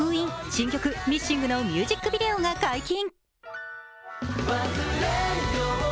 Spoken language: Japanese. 新曲「Ｍｉｓｓｉｎｇ」のミュージックビデオが解禁。